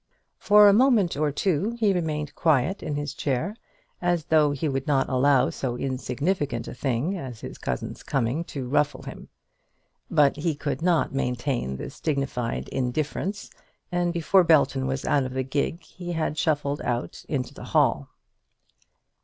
For a moment or two he remained quiet in his chair, as though he would not allow so insignificant a thing as his cousin's coming to ruffle him; but he could not maintain this dignified indifference, and before Belton was out of the gig he had shuffled out into the hall.